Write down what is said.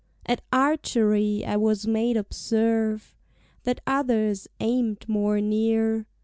At archery I was made observe That others aim'd more near.